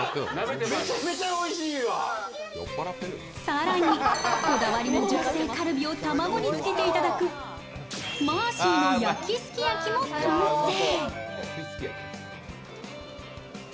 更に、こだわりの熟成カルビを卵につけていただくマーシーの焼きすき焼きも完成。